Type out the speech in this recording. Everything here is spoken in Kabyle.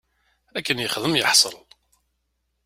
Akken yexdem yeḥṣel.